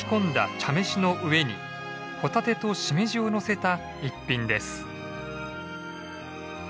茶飯の上にホタテとシメジをのせた逸品です。